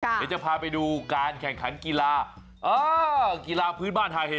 เดี๋ยวจะพาไปดูการแข่งขันกีฬากีฬาพื้นบ้านฮาเฮ